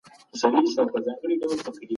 د غالب دیوان خطي نسخه په لابراتوار کې وکتل سوه.